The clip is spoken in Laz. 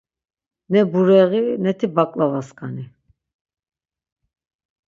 Ne bureği, neti baǩlavaskani.